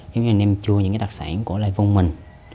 giống như anh nem chua những cái đặc sản của lai vung mình